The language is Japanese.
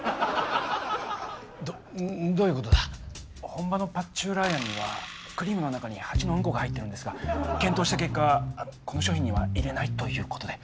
本場のパッチューラーヤンにはクリームの中に蜂のうんこが入ってるんですが検討した結果この商品には入れないということで。